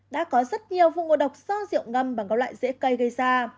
đã có rất nhiều vụ ngộ độc do rượu ngâm bằng các loại dễ cây gây ra